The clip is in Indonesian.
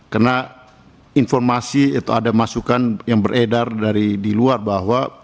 karena informasi atau ada masukan yang beredar dari di luar bahwa